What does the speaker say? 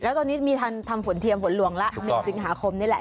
แล้วตอนนี้มีทำฝนเทียมฝนหลวงละ๑สิงหาคมนี่แหละ